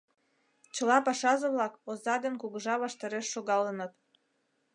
Чыла пашазе-влак оза ден кугыжа ваштареш шогалыныт.